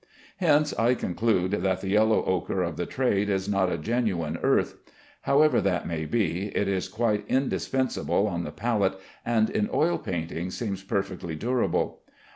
Hence I conclude that the yellow ochre of the trade is not a genuine earth. However that may be, it is quite indispensable on the palette, and in oil paintings seems perfectly durable.